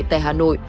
tại hà nội